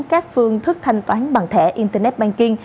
các phương thức thanh toán bằng thẻ internet banking